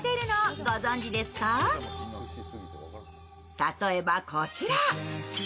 例えばこちら。